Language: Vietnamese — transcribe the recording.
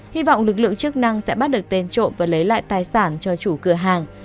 hy vọng lực lượng chức năng sẽ bắt được tên trộm và lấy lại tài sản cho chủ cửa hàng